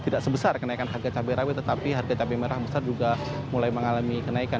tidak sebesar kenaikan harga cabai rawit tetapi harga cabai merah besar juga mulai mengalami kenaikan